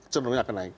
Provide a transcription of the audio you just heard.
cenderungnya akan naik